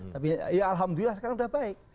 tapi ya alhamdulillah sekarang sudah baik